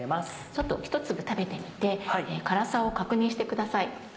ちょっとひと粒食べてみて辛さを確認してください。